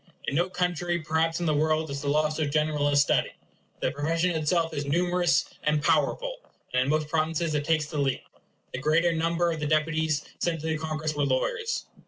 In no country perhaps in the world is the law so general a study. The profession itself is numerous and powerful; and in most provinces it takes the lead. The greater number of the deputies sent to the Congress were lawyers.